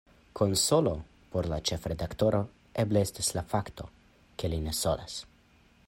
Konsolo por la ĉefredaktoro eble estas la fakto, ke li ne solas.